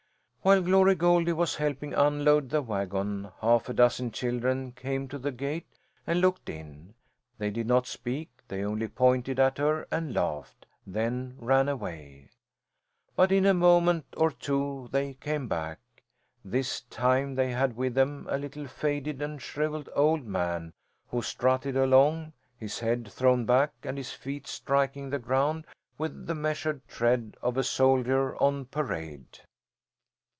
While Glory Goldie was helping unload the wagon, half a dozen children came to the gate and looked in; they did not speak; they only pointed at her and laughed then ran away. But in a moment or two they came back. This time they had with them a little faded and shrivelled old man, who strutted along, his head thrown back and his feet striking the ground with the measured tread of a soldier on parade.